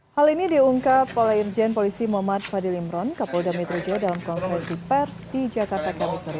hal ini diungkap oleh jen polisi mohd fadil imron kapolda metro jaya dalam kongresi pers di jakarta kamisori